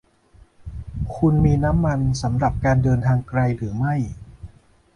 คุณมีน้ำมันสำหรับการเดินทางไกลหรือไม่